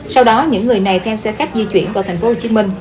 sau đó những người này theo xe khách di chuyển vào tp hcm